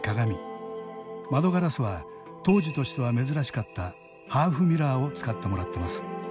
窓ガラスは当時としては珍しかったハーフミラーを使ってもらってます。